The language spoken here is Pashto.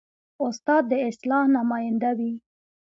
استاد د اصلاح نماینده وي.